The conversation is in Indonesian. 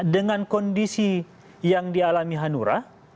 dengan kondisi yang dialami hanura